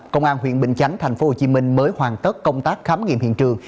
công an huyện bình chánh tp hcm mới hoàn tất công tác khám nghiệm hiện trường